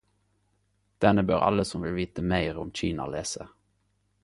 Denne bør alle som vil vite meir om Kina lese!